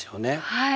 はい。